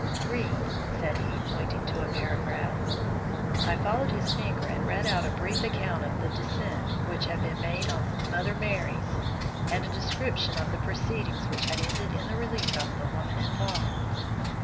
"Read," said he, pointing to a paragraph. I followed his finger and read out a brief account of the descent which had been made on Mother Merry's, and a description of the proceedings which had ended in the release of the women involved.